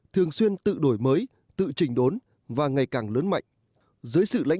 thường xuyên tự đổi mới tự trình đốn và ngày càng lớn mạnh